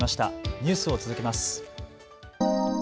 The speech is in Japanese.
ニュースを続けます。